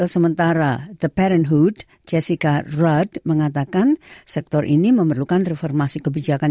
sementara the parenthood jessica rudd mengatakan sektor ini memerlukan reformasi kebijakan